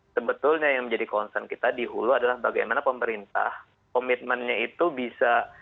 sebetulnya yang menjadi concern kita di hulu adalah bagaimana pemerintah komitmennya itu bisa